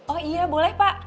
oh iya boleh pak